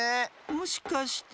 もしかして。